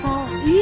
え！